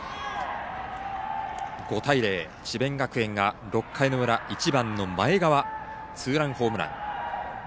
５対０、智弁学園が６回の裏、１番の前川ツーランホームラン。